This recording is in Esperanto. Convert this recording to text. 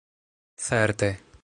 Certe